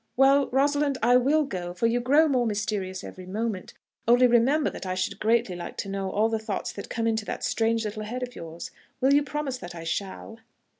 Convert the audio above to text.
"Well, Rosalind, I will go, for you grow more mysterious every moment; only, remember that I should greatly like to know all the thoughts that come into that strange little head of yours. Will you promise that I shall?"